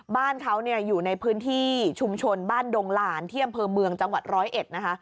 บ้านเขาอยู่ในพื้นที่ชุมชนบ้านดงหลานที่อำเภอเมืองจังหวัดร้อยเอ็ดนะคะ